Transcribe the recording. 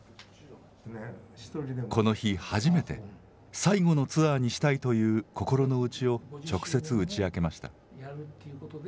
この日、初めて最後のツアーにしたいという心の内を直接打ち明けました。